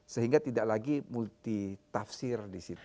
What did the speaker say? sehingga tidak lagi multi tafsir di situ